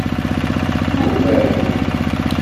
Ur berru.